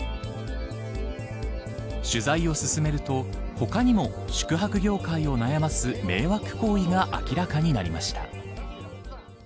取材を進めると、他にも宿泊業界を悩ます迷惑行為が明らかになりました。